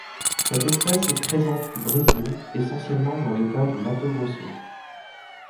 Cette espèce est présente au Brésil, essentiellement dans l'État du Mato Grosso.